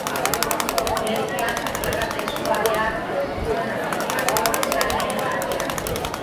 Olerkiak arrakasta izugarria lortu zuen Argentinako biztanleen artean.